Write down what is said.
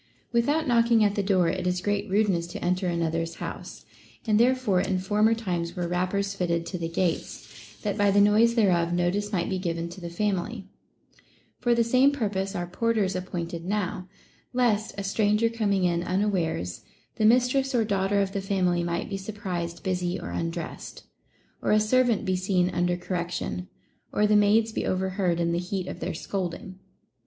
Without knocking at the door, it is great rudeness to enter another's house, and therefore in former times were rappers fitted to the INTO THINGS IMPERTINENT. 429 gates, that by the noise thereof notice might be given to the family ; for the same purpose are porters appointed now, lest, a stranger coming in unawares, the mistress or daughter of the family might be surprised busy or un dressed, or a servant be seen under correction, or the maids be overheard in the heat of their scolding.